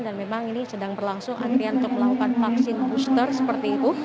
dan memang ini sedang berlangsung antrian untuk melakukan vaksin booster seperti itu